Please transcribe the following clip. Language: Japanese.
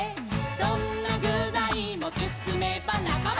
「どんなぐざいもつつめばなかま」「」